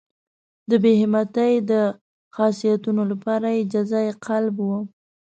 د بې همتۍ د خاصیتونو لپاره یې جزایي قالب وو.